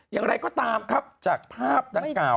อย่างไรก็ตามครับจากภาพดังกล่าว